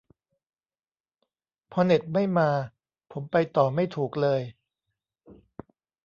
พอเน็ตไม่มาผมไปต่อไม่ถูกเลย